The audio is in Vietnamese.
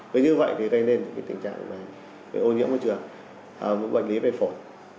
vì như vậy thì gây nên tình trạng ô nhiễm môi trường bệnh lý về phổi